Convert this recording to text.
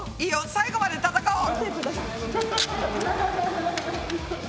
最後まで闘おう！